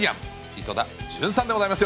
井戸田潤さんでございます。